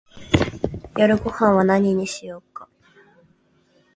夜ごはんは何にしようか